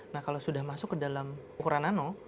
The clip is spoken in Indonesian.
nah kalau sudah masuk ke dalam ukuran nano